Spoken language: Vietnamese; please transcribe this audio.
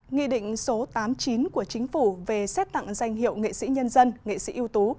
nghị định số tám mươi chín của chính phủ về xét tặng danh hiệu nghệ sĩ nhân dân nghệ sĩ ưu tú